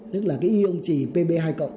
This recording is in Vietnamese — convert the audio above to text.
tức là cái ion trì pb hai mươi